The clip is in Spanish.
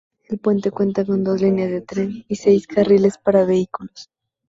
El puente cuenta con dos líneas de tren y seis carriles para vehículos.